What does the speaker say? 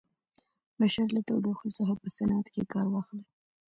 بشر له تودوخې څخه په صنعت کې کار واخلي.